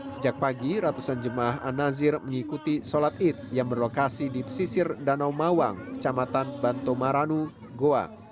sejak pagi ratusan jemaah an nazir mengikuti sholat id yang berlokasi di pesisir danau mawang kecamatan bantomaranu goa